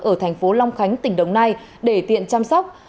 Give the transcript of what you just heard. ở thành phố long khánh tỉnh đồng nai để tiện chăm sóc